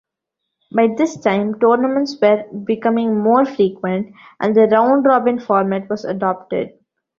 By this time tournaments were becoming more frequent, and the round-robin format was adopted.